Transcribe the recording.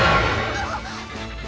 あっ！